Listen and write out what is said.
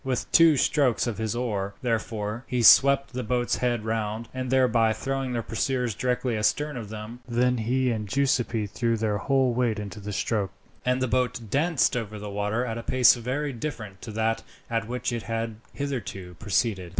With two strokes of his oar, therefore, he swept the boat's head round, thereby throwing their pursuers directly astern of them; then he and Giuseppi threw their whole weight into the stroke, and the boat danced over the water at a pace very different to that at which it had hitherto proceeded.